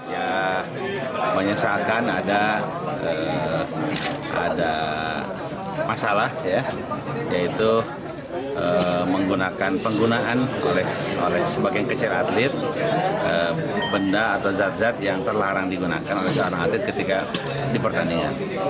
ya menyesalkan ada masalah yaitu menggunakan penggunaan sebagian kecil atlet benda atau zat zat yang terlarang digunakan oleh seorang atlet ketika di pertandingan